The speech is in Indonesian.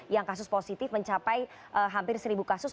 yang kasus positif mencapai hampir seribu kasus